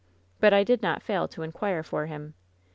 But I did not fail to inquire for him.